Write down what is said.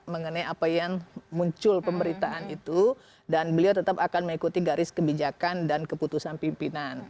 mengenai apa yang muncul pemberitaan itu dan beliau tetap akan mengikuti garis kebijakan dan keputusan pimpinan